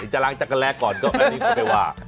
จะล้างจักรแลก่อนก็อันนี้ก็ไม่ว่า